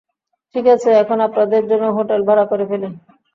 ঠিক আছে, এখন আপনাদের জন্য হোটেল ভাড়া করে ফেলি।